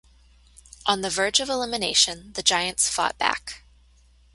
On the verge of elimination, the Giants fought back.